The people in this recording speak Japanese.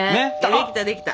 できたできた。